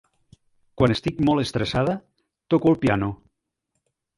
Quan estic molt estressada, toco el piano.